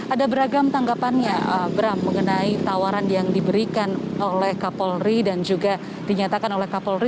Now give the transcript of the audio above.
ada beragam tanggapannya bram mengenai tawaran yang diberikan oleh kapolri dan juga dinyatakan oleh kapolri